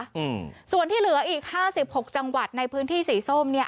อืมส่วนที่เหลืออีกห้าสิบหกจังหวัดในพื้นที่สีส้มเนี้ย